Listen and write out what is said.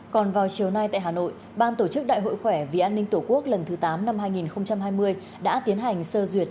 còn vào chiều nay tại hà nội ban tổ chức đại hội khỏe vì an ninh tổ quốc lần thứ tám năm hai nghìn hai mươi đã tiến hành sơ duyệt